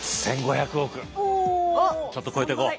ちょっと超えてこう。